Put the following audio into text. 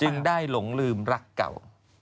ได้หลงลืมรักเก่า